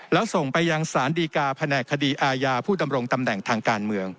แล้วส่งไปยังสารดีกาแผนกคดีอาญาผู้ดำรงตำแหน่งทางการเมือง